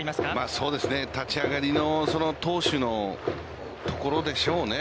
そうですね、立ち上がりの投手のところでしょうね。